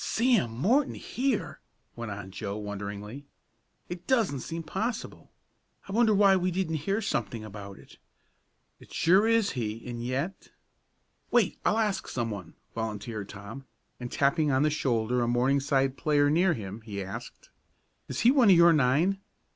"Sam Morton here!" went on Joe, wonderingly. "It doesn't seem possible. I wonder why we didn't hear something about it? It sure is he, and yet " "Wait, I'll ask some one," volunteered Tom, and tapping on the shoulder a Morningside player near him, he asked: "Is he one of your nine?"